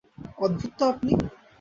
অদ্ভুত তো আপনি!